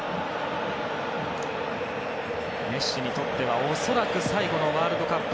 メッシにとっては恐らく最後のワールドカップ。